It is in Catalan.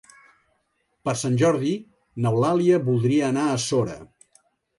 Per Sant Jordi n'Eulàlia voldria anar a Sora.